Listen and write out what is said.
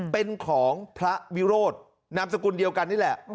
เป็นของพระวิโรธนามสกุลเดียวกันนี่แหละ